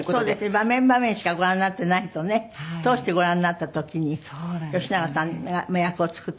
場面場面しかご覧になってないとね通してご覧になった時に吉永さん役を作ってらっしゃるので。